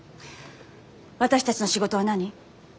私たちの仕事は何？